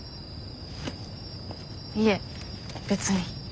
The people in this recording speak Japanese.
いえ別に。